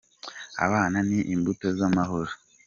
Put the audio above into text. Abana ni imbuto z’amahoro